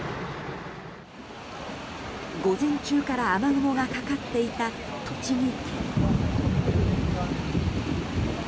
午前中から雨雲がかかっていた栃木県。